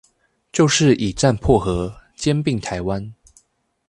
就是以戰迫和，兼併台灣